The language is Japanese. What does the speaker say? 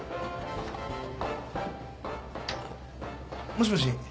もしもし。